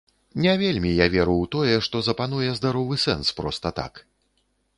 Не вельмі я веру ў тое, што запануе здаровы сэнс проста так.